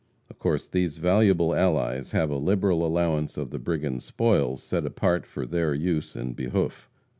Of course these valuable allies have a liberal allowance of the brigands' spoils set apart for their use and behoof.